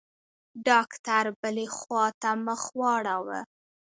ډاکتر بلې خوا ته مخ واړاوه.